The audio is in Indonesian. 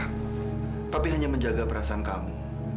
alena papi hanya menjaga perasaan kamu